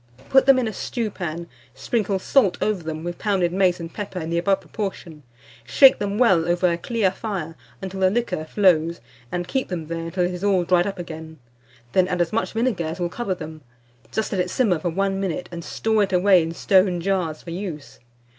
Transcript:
Put them in a stewpan, sprinkle salt over them, with pounded mace and pepper in the above proportion; shake them well over a clear fire until the liquor flows, and keep them there until it is all dried up again; then add as much vinegar as will cover them; just let it simmer for 1 minute, and store it away in stone jars for use.